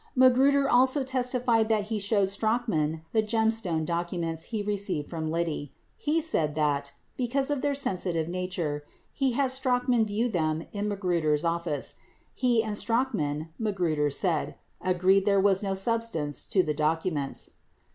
53 Magruder also testified that he showed Strachan the Gemstone docu ments he received from Liddy. He said that, because of their sensitive nature, he had Strachan view them in Magruder's office. He and Strachan, Magruder said, agreed there was no substance to the docu ments.